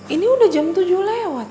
ini udah jam tujuh lewat